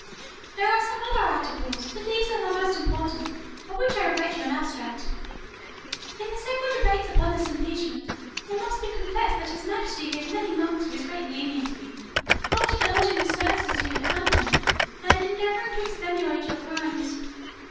"There are some other articles; but these are the most important, of which I have read you an abstract. "In the several debates upon this impeachment, it must be confessed that his majesty gave many marks of his great lenity; often urging the services you had done him, and endeavouring to extenuate your crimes.